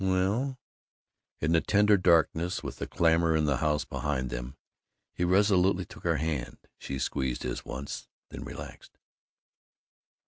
"Well " In the tender darkness, with the clamor in the house behind them, he resolutely took her hand. She squeezed his once, then relaxed.